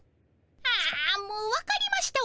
ああもうわかりました